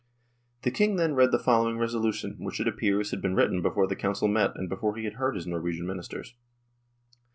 The King then read the following resolution, which, it appears, had been written before the Council met and before he had heard his Norwegian Ministers.